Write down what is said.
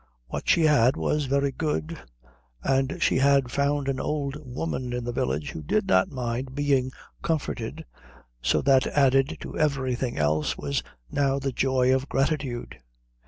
What she had was very good; and she had found an old woman in the village who did not mind being comforted, so that added to everything else was now the joy of gratitude.